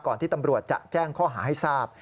ที่ตำรวจจะแจ้งข้อหาให้ทราบ